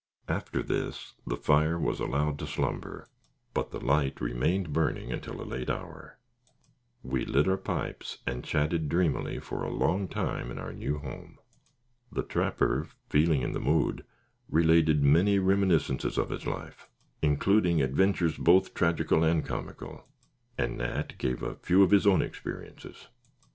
After this the fire was allowed to slumber, but the light remained burning until a late hour. We lit our pipes, and chatted dreamily for a long time in our new home. The trapper, feeling in the mood, related many reminiscences of his life, including adventures both tragical and comical, and Nat gave a few of his own experiences.